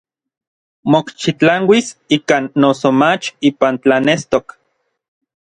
Mokxitlanuis ikan noso mach ipan tlanestok.